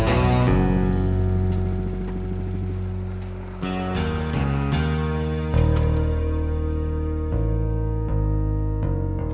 saya ada perlu